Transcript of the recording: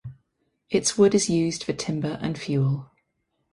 Its wood is used for timber and fuel.